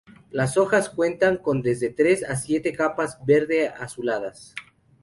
Las hojas, cuentan con desde tres a siete capas verde azuladas.